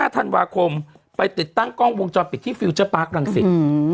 ธันวาคมไปติดตั้งกล้องวงจรปิดที่ฟิลเจอร์ปาร์ครังสิต